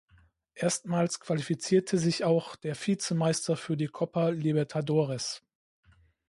Erstmals qualifizierte sich auch der Vizemeister für die Copa Libertadores.